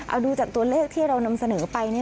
เอาดูจากตัวเลขที่เรานำเสนอไป